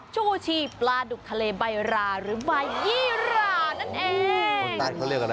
โชโกชีปลาดุกทะเลใบราหรือใบยี่รานั่นเอง